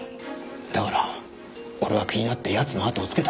だから俺は気になって奴の後をつけた。